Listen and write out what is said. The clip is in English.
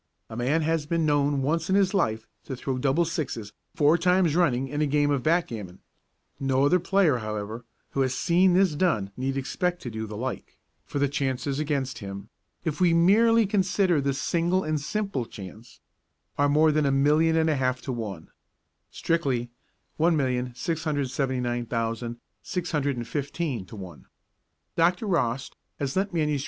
A man has been known once in his life to throw double sixes four times running in a game of backgammon; no other player, however, who has seen this done need expect to do the like, for the chances against him, if we merely consider the single and simple chance, are more than a million and a half to one: (strictly 1,679,615 to 1.) Dr. Rost has lent MSS.